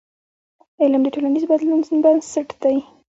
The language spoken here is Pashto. علم د ټولنیز بدلون بنسټ دی.